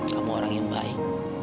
kamu orang yang baik